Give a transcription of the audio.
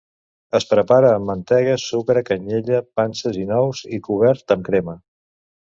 Es prepara amb mantega, sucre, canyella, panses i nous i cobert amb crema.